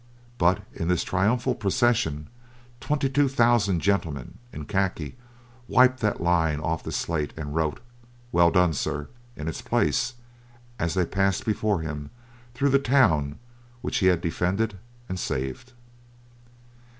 But in this triumphal procession twenty two thousand gentlemen in khaki wiped that line off the slate, and wrote, "Well done, sir," in its place, as they passed before him through the town he had defended and saved.